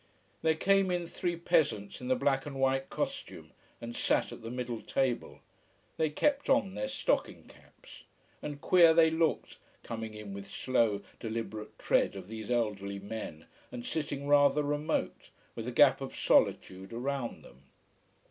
There came in three peasants in the black and white costume, and sat at the middle table. They kept on their stocking caps. And queer they looked, coming in with slow, deliberate tread of these elderly men, and sitting rather remote, with a gap of solitude around them.